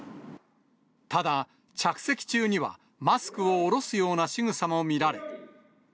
ただ、着席中にはマスクを下ろすようなしぐさも見られ。